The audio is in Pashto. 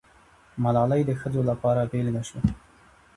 ملالۍ د ښځو لپاره بېلګه سوه.